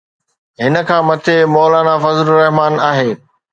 هن کان مٿي مولانا فضل الرحمان آهي.